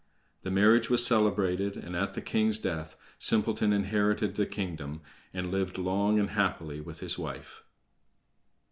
The marriage was celebrated, and, at the king's death, Simpleton inherited the kingdom, and lived long and happily with his wife.